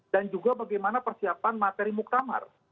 dan juga bagaimana persiapan materi muktamar